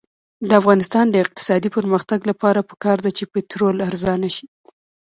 د افغانستان د اقتصادي پرمختګ لپاره پکار ده چې پټرول ارزانه شي.